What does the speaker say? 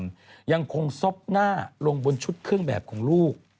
ยังคงซบหน้าลงบนชุดเครื่องแบบของลูก